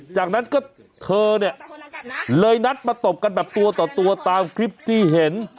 จากนั้นก็เธอเนี่ยเลยนัดมาตบกันแบบตัวต่อตัวตามคลิปที่เห็น